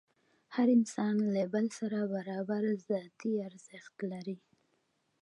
هر انسان له بل سره برابر ذاتي ارزښت لري.